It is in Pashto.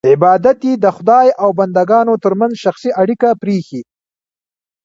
عبادت یې د خدای او بندګانو ترمنځ شخصي اړیکه پرېښی.